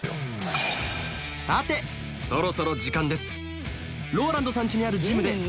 さてそろそろ時間です